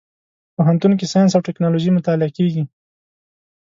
پوهنتون کې ساينس او ټکنالوژي مطالعه کېږي.